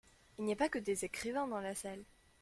Il n’y a pas que des écrivains dans la salle.